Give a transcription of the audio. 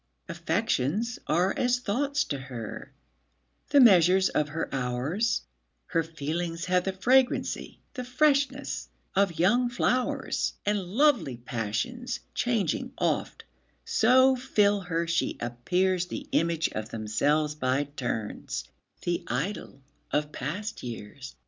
Affections are as thoughts to her, the measures of her hours; Her feelings have the fragrancy, the freshness, of young flowers; And lovely passions, changing oft, so fill her, she appearsThe image of themselves by turns,—the idol of past years!